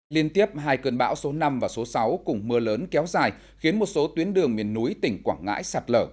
liên tiếp hai cơn bão số năm và số sáu cùng mưa lớn kéo dài khiến một số tuyến đường miền núi tỉnh quảng ngãi sạt lở